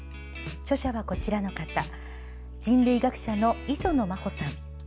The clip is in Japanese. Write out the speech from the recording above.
著者はこちらの方人類学者の磯野真穂さん。